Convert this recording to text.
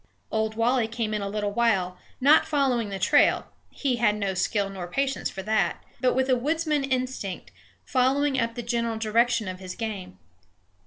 Old Wally came in a little while, not following the trail, he had no skill nor patience for that, but with a woodsman's instinct following up the general direction of his game.